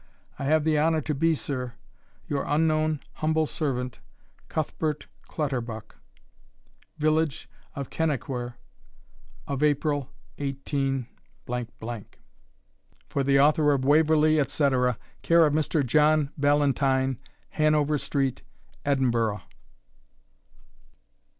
I have the honour to be, Sir, Your unknown humble Servant, Cuthbert Clutterbuck. Village of Kennaquhair, of April, 18 _For the Author of "Waverley," &c. care of Mr. John Ballantyne, Hanover Street, Edinburgh.